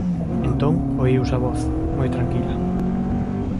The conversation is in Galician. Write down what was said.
Entón oíuse a voz, moi tranquila: